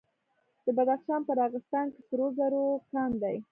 د بدخشان په راغستان کې سرو زرو کان دی.